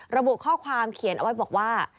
ระบุข้อความเขียนเอาไว้บอกว่า